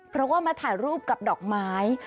เพราะว่ามาถ่ายรูปกับดอกไม้